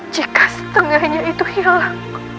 jika setengahnya itu hilang